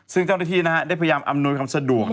ซึ่งเจ้าหน้าที่ได้พยายามอำนวยความสะดวก